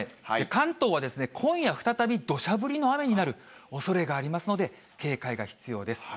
関東は今夜再び、どしゃ降りの雨になるおそれがありますので、警戒が必要です。